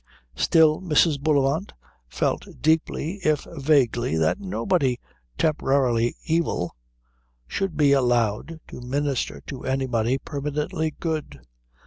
Still, Mrs. Bullivant felt deeply if vaguely that nobody temporarily evil should be allowed to minister to anybody permanently good.